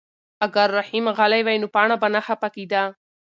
اگر رحیم غلی وای نو پاڼه به نه خفه کېده.